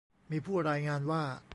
มีผู้รายงานว่า